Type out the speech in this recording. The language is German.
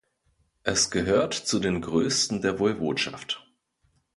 Es gehört zu den größten der Woiwodschaft.